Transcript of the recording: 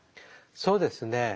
そうですね